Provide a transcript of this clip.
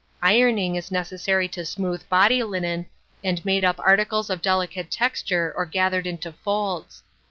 Ironing is necessary to smooth body linen, and made up articles of delicate texture or gathered into folds.